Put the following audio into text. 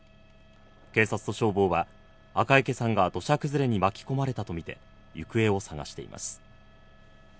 警察と消防は赤池さんが土砂崩れに巻き込まれたとみて行方を捜しています。